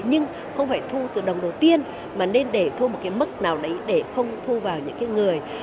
nhưng không phải thu từ đồng đầu tiên mà nên để thu một cái mức nào đấy để không thu vào những cái người